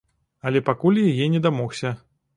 Але пакуль яе не дамогся.